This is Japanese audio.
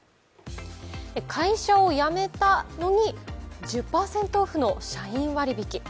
会社を辞めたのに１０％オフの社員割引。